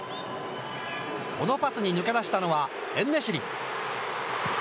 このパスに抜け出したのは、エン・ネシリ。